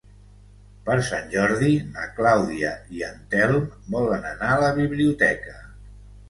Per Sant Jordi na Clàudia i en Telm volen anar a la biblioteca.